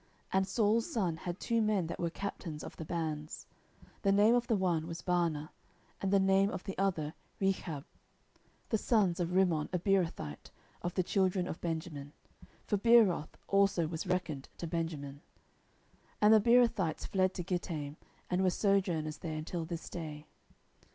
10:004:002 And Saul's son had two men that were captains of bands: the name of the one was Baanah, and the name of the other Rechab, the sons of Rimmon a Beerothite, of the children of Benjamin: (for Beeroth also was reckoned to Benjamin. 10:004:003 And the Beerothites fled to Gittaim, and were sojourners there until this day.)